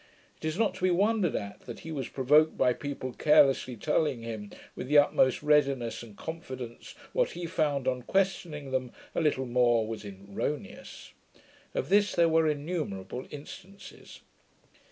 It is not to be wondered at, that he was provoked by people carelessly telling him, with the utmost readiness and confidence, what he found, on questioning them a little more, was erroneous. Of this there were innumerable instances.